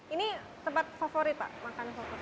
ini tempat favorit pak makanan favorit